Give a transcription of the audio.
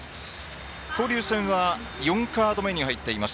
交流戦は４カード目に入っています。